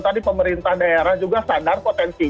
tadi pemerintah daerah juga sadar potensi